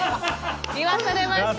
言わされました。